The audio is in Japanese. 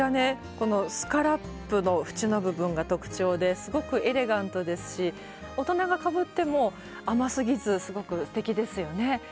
このスカラップの縁の部分が特徴ですごくエレガントですし大人がかぶっても甘すぎずすごくすてきですよね。